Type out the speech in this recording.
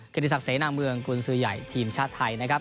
คณิตศักดิ์เสนางเมืองกุลซื้อใหญ่ทีมชาวไทยนะครับ